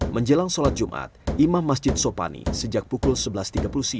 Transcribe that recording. menjelang sholat jumat imam masjid sopani sejak pukul sebelas tiga puluh siang